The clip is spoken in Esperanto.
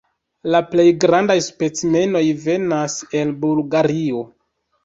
La plej grandaj specimenoj venas el Bulgario.